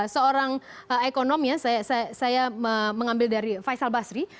seorang ekonom ya saya mengambil dari faisal basri